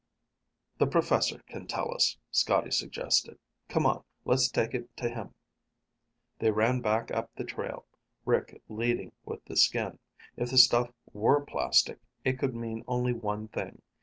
"The professor can tell us," Scotty suggested. "Come on. Let's take it to him." They ran back up the trail, Rick leading with the skin. If the stuff were plastic, it could mean only one thing.